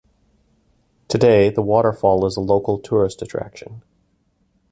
Today the waterfall is a local tourist attraction.